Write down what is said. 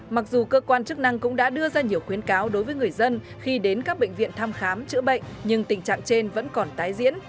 mặc dù cơ quan chức năng cũng đã đưa ra nhiều khuyến cáo đối với người dân khi đến các bệnh viện thăm khám chữa bệnh nhưng tình trạng trên vẫn còn tái diễn